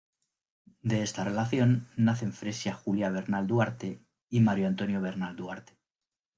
De esta relación, nacen Fresia Julia Vernal Duarte y Mario Antonio Vernal Duarte.